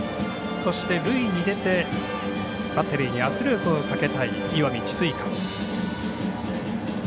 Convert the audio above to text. そして、塁に出てバッテリーに圧力をかけたい石見智翠館。